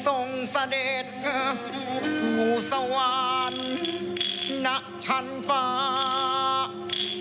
ส่งเสด็จสู่สวรรค์นักชันฟ้า